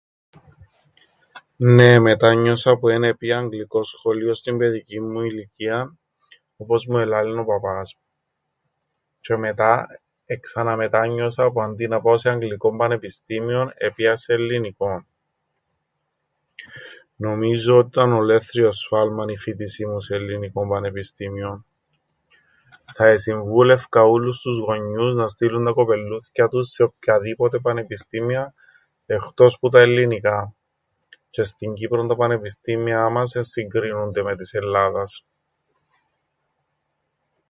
Νναι, εμετάνιωσα που εν επήα αγγλικόν σχολείον στην παιδικήν μου ηλικίαν όπως μου ελάλεν ο παπάς μου. Τζ̆αι μετά εξαναμετάνιωσα που αντί να πάω σε αγγλικόν πανεπιστήμιον επήα σε ελληνικόν. Νομίζω ότι ήταν ολέθριον σφάλμαν η φοίτηση μου σε ελληνικόν πανεπιστήμιον. Θα εσυμβούλευκα ούλλους τους γονιούς να στείλουν τα κοπελλούθκια τους σε οποιαδήποτε πανεπιστήμια εχτός που τα ελληνικά. Τζ̆αι στην Κύπρον τα πανεπιστήμιά μας εν' συγκρίνουνται με της Ελλάδας.